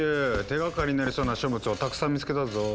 手がかりになりそうな書物をたくさん見つけたぞ。